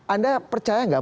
anda percaya gak